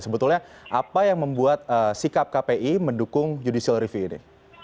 sebetulnya apa yang membuat sikap kpi mendukung judicial review ini